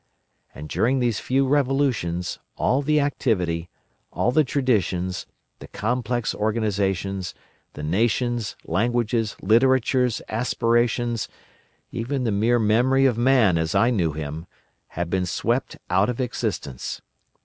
And during these few revolutions all the activity, all the traditions, the complex organisations, the nations, languages, literatures, aspirations, even the mere memory of Man as I knew him, had been swept out of existence.